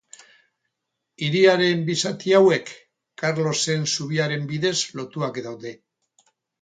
Hiriaren bi zati hauek, Karlosen Zubiaren bidez lotuak daude.